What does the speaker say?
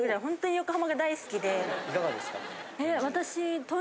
いかがですか？